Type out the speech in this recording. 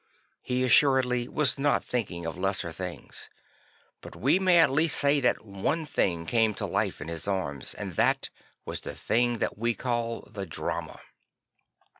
He assuredly was not thinking of lesser things; but we may at least say that one thing came to life in his arms; and that was the thing that \ve call the drama.